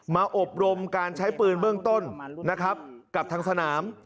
อบรมการใช้ปืนเบื้องต้นนะครับกับทางสนาม